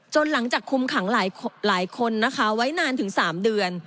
หลังจากคุมขังหลายคนนะคะไว้นานถึง๓เดือน